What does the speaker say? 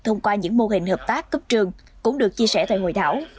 thông qua những mô hình hợp tác cấp trường cũng được chia sẻ tại hội thảo